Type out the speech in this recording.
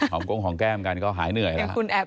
ก้งหอมแก้มกันก็หายเหนื่อยแล้ว